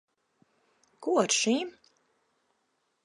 Ko ar šīm?